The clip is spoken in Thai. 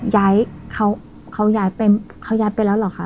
ย้ายเขาย้ายไปเขาย้ายไปแล้วเหรอคะ